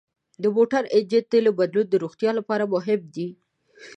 د موټر انجن تیلو بدلول د روغتیا لپاره مهم دي.